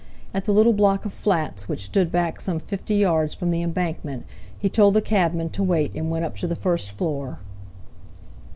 At the little block of flats which stood back some fifty yards from the Embankment, he told the cabman to wait, and went up to the first floor.